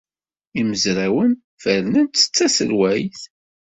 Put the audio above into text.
Imezrawen fernen-tt d taselwayt.